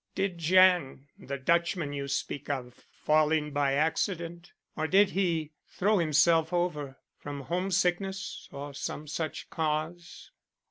"Did Jan, the Dutchman you speak of, fall in by accident, or did he throw himself over from homesickness, or some such cause?"